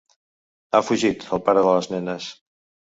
Ha fugit, el pare de les nenes.